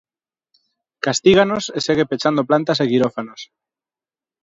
Castíganos e segue pechando plantas e quirófanos.